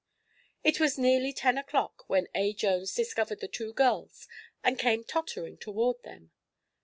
It was nearly ten o'clock when A. Jones discovered the two girls and came tottering toward them.